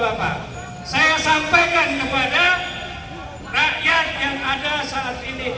aku tahu ada satu orang yang exhale